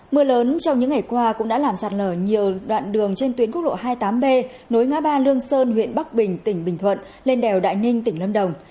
mưa lớn trong những ngày qua cũng đã làm sạt lở nhiều đoạn đường trên tuyến quốc lộ hai mươi tám b nối ngã ba lương sơn huyện bắc bình tỉnh bình thuận lên đèo đại ninh tỉnh lâm đồng